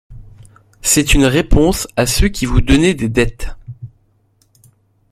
C’est une réponse à ceux qui vous donnaient des dettes.